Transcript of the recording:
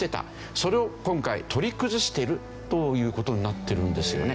それを今回取り崩しているという事になってるんですよね。